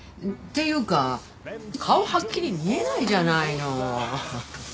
っていうか顔はっきり見えないじゃないの。